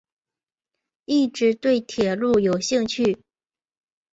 一直对铁路有兴趣。